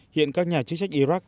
hiện các nhà chức trách iraq